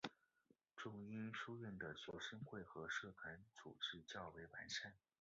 仲英书院的学生会和社团组织较为完善。